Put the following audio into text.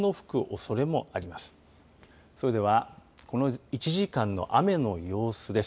それではこの１時間の雨の様子です。